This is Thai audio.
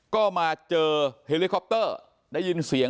ก็มาเจอเฮลิคอปเตอร์ได้ยินเสียง